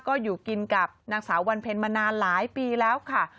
ก็อยู่กินกับนางสาววันเพ็ญมานานหลายปีแล้วค่ะ